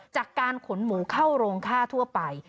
จากการขนหมูเข้าโรงค่าทั่วไป